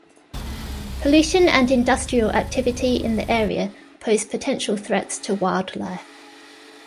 Pollution and industrial activity in the area pose potential threats to wildlife.